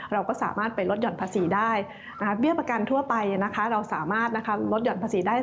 เราก็สามารถไปลดห่อนภาษีได้เบี้ยประกันทั่วไปเราสามารถลดหย่อนภาษีได้